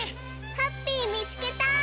ハッピーみつけた！